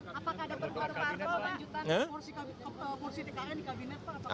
apakah ada perbicaraan kelanjutan kursi tkn di kabinet pak